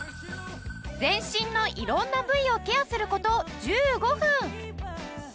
全身の色んな部位をケアする事１５分。